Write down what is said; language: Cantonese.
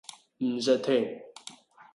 唔識聽